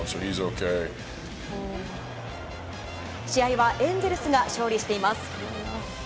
試合はエンゼルスが勝利しています。